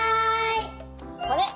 これ。